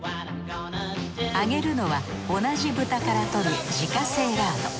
揚げるのは同じ豚から取る自家製ラード。